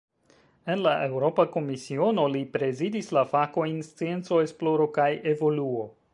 En la Eŭropa Komisiono, li prezidis la fakojn "scienco, esploro kaj evoluo".